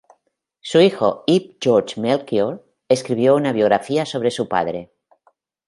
Su hijo Ib Georg Melchior escribió una biografía sobre su padre.